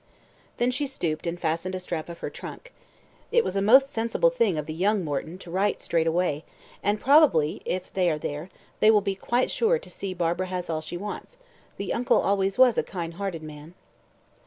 Then she stooped and fastened a strap of her trunk. "It was a most sensible thing of the young Morton to write straight away, and, probably, if they are there, they will be quite sure to see Barbara has all she wants the uncle always was a kind hearted man."